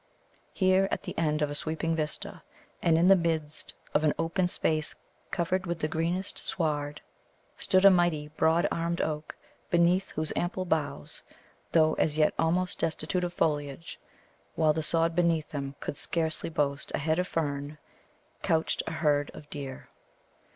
Here, at the end of a sweeping vista, and in the midst of an open space covered with the greenest sward, stood a mighty broad armed oak, beneath whose ample boughs, though as yet almost destitute of foliage, while the sod beneath them could scarcely boast a head of fern, couched a herd of deer.